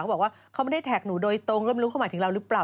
บอกว่าเขาไม่ได้แท็กหนูโดยตรงแล้วไม่รู้เขาหมายถึงเราหรือเปล่า